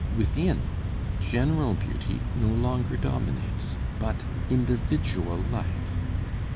Within, general beauty no longer dominates, but individual life.